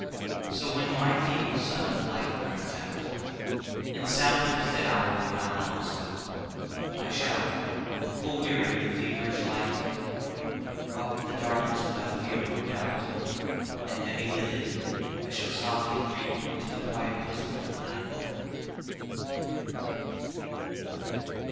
So when my feeble sun of life burns out, And sounded is the hour for my long sleep,I shall, full weary of the feverish light, Welcome the darkness without fear or doubt, And heavy lidded, I shall softly creepInto the quiet bosom of the Night.